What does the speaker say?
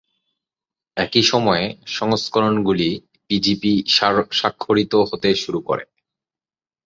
একই সময়ে, সংস্করণগুলি পিজিপি-স্বাক্ষরিত হতে শুরু করে।